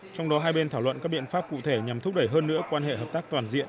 trong đó hai bên thảo luận các biện pháp cụ thể nhằm thúc đẩy hơn nữa quan hệ hợp tác toàn diện